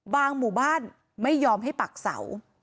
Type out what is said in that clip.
หมู่บ้านไม่ยอมให้ปักเสา